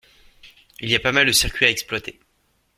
Il y a pas mal de circuits à exploiter.